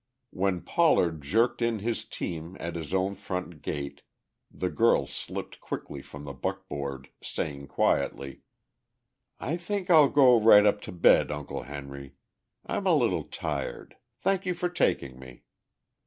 When Pollard jerked in his team at his own front gate, the girl slipped quickly from the buckboard, saying quietly: "I think I'll go right up to bed, Uncle Henry. I'm a little tired. Thank you for taking me."